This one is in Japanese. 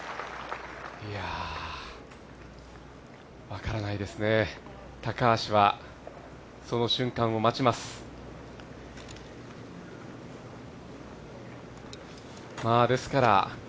分からないですね、高橋は、その瞬間を待ちます。